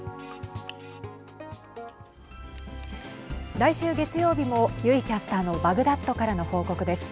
来週月曜日も油井キャスターのバグダッドからの報告です。